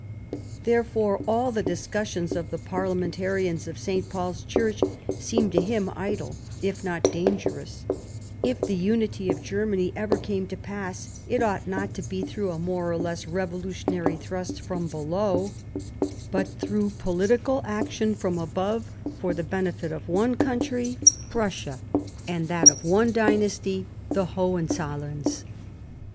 Therefore all the discussions of the parliamen tarians of St. Paul's Church seemed to him idle, if not dangerous ; if the unity of Germany ever came to pass, it ought not to be through a more or less revolutionary thrust from below, but through politi cal action from above for the benefit of one country, 28 Years of Preparation Prussia, and that of one dynasty, the Hohen zollerns.